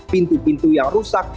pintu pintu yang rusak